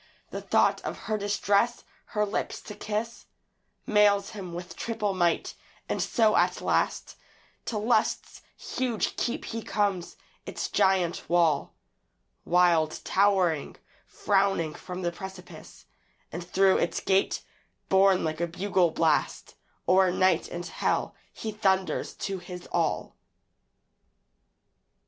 The thought of her distress, her lips to kiss, Mails him with triple might; and so at last To Lust's huge keep he comes; its giant wall, Wild towering, frowning from the precipice; And through its gate, borne like a bugle blast, O'er night and hell he thunders to his all.